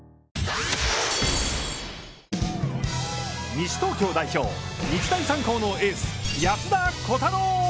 西東京代表・日大三高のエース安田虎汰郎。